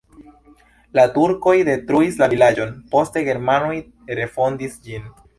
La turkoj detruis la vilaĝon, poste germanoj refondis ĝin.